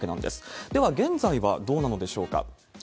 では、現在はどうなのでしょうか。